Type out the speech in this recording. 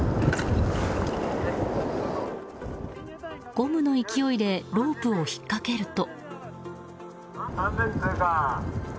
ゴムの勢いでロープを引っかけると。